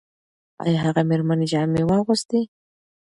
ایا هغه مېرمنې جامې واغوستې؟